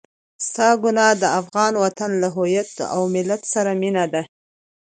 ستا ګناه د افغان وطن له هويت او ملت سره مينه ده.